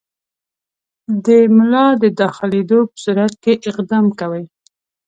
د ملا د داخلېدلو په صورت کې اقدام کوئ.